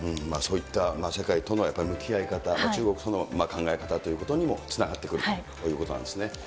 そういった世界との向き合い方、中国との考え方ということにもつながってくるということなんですね。